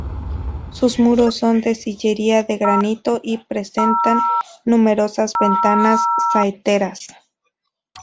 Sus muros son de sillería de granito y presentan numerosas ventanas saeteras.